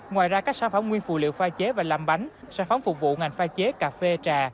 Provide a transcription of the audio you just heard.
ngoài ra các sản phẩm nguyên phụ liệu pha chế và làm bánh sản phẩm phục vụ ngành pha chế cà phê trà